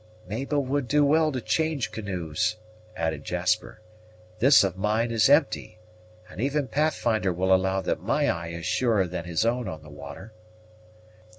"Mabel would do well to change canoes," added Jasper. "This of mine is empty, and even Pathfinder will allow that my eye is surer than his own on the water."